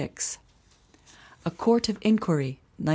A Court of Inquiry, 1909.